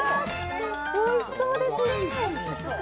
おいしそうですね。